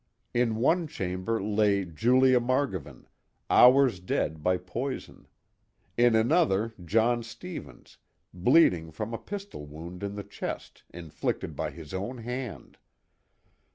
In one chamber lay Julia Margovan, hours dead by poison; in another John Stevens, bleeding from a pistol wound in the chest, inflicted by his own hand.